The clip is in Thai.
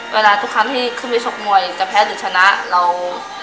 ตอนไหนที่ขึ้นไปชกมวยจะแพ้หรือชนะเรา